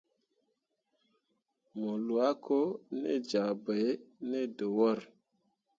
Mo lwa ko te ja bai ne dəwor.